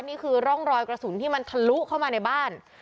นี่คือร่องรอยกระสุนที่มันทะลุเข้ามาในบ้าน